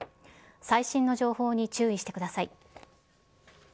最新の情報に注意してください。